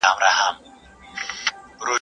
د لوږي مړ سه، د بل ډوډۍ ته مه گوره.